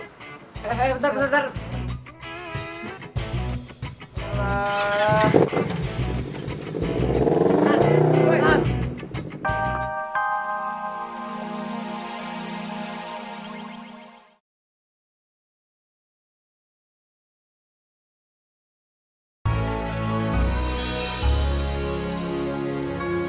hei bentar bentar